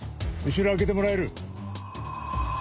後ろ開けてもらえる？